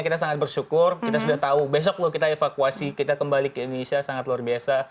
kita sangat bersyukur kita sudah tahu besok loh kita evakuasi kita kembali ke indonesia sangat luar biasa